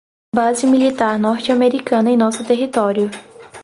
base militar norte-americana em nosso território